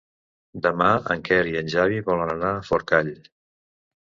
Demà en Quer i en Xavi volen anar a Forcall.